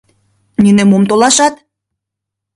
Нине мом толашат?